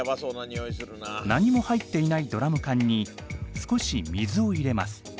何も入っていないドラム缶に少し水を入れます。